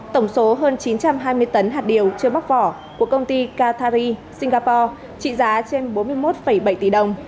tổng số hơn chín trăm hai mươi tấn hạt điều chưa bóc vỏ của công ty catary singapore trị giá trên bốn mươi một bảy tỷ đồng